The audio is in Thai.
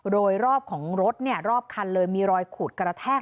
โดยรอบของรถรอบคันเลยมีรอยขูดกระแทก